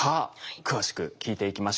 詳しく聞いていきましょう。